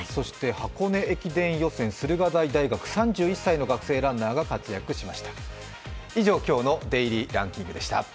箱根駅伝予選、駿河台大学、３１歳のランナーが活躍しました。